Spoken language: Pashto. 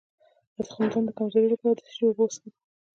د تخمدان د کمزوری لپاره د څه شي اوبه وڅښم؟